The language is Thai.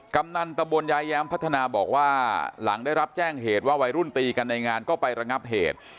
กำนันตะบนยายแย้มพัฒนาบอกว่าหลังได้รับแจ้งเหตุว่าวัยรุ่นตีกันในงานก็ไประงับเหตุ